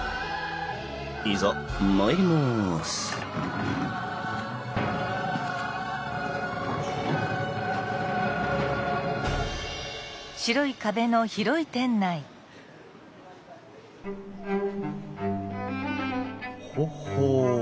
いざ参りますほっほう。